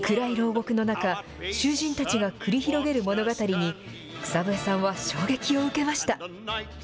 獄の中、囚人たちが繰り広げる物語に、草笛さんは衝撃を受けました。